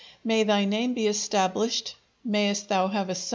"May thy name be established; mayst thou have a son."